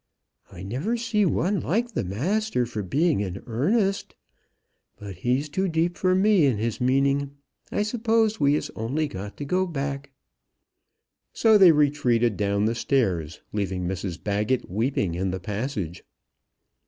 I never see one like the master for being in earnest. But he's too deep for me in his meaning. I suppose we is only got to go back." So they retreated down the stairs, leaving Mrs Baggett weeping in the passage.